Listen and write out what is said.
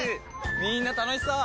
みんな楽しそう！